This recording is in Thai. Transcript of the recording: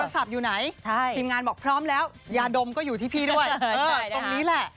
อยู่ไหนทีมงานบอกพร้อมแล้วยาดมก็อยู่ที่พี่ด้วยตรงนี้แหละ